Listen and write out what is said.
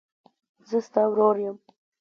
زه ستا ورور یم.